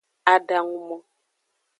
Adangumo.